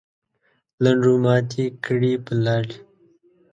لنډو ماتې کړې پر لارې.